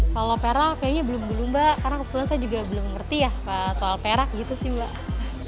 kalau perak kayaknya belum dulu mbak karena kebetulan saya juga belum ngerti ya soal perak gitu sih mbak